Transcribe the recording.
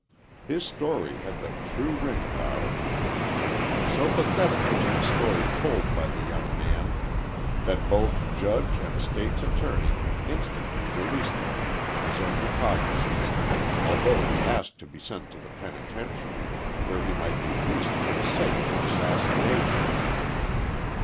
His story had the true ring about it. So pathetic was the story told by the young man, that both judge and State's attorney instantly released the man on his own recognizance, although he asked to be sent to the penitentiary, where he might be reasonably safe from assassination.